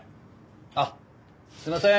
あっすいません。